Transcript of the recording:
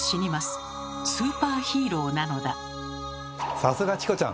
さすがチコちゃん！